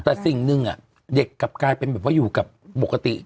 แต่สิ่งหนึ่งอ่ะเด็กกลับกลายเป็นอยู่กับปกติ